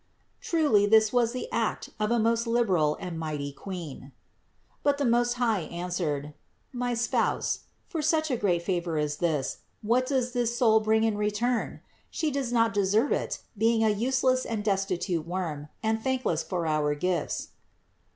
(Truly this was the act of a most liberal and mighty Queen!) But the Most High answered: "My Spouse, for such a great favor as this, what does this soul bring in return ? She does not deserve it, being a useless and destitute worm, and thankless for our gifts."